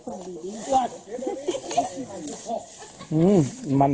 เหลืองเท้าอย่างนั้น